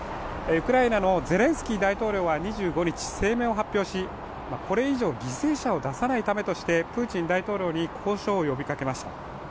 ウクライナのゼレンスキー大統領は２５日、声明を発表しこれ以上犠牲者を出さないためとしてプーチン大統領に交渉を呼びかけました。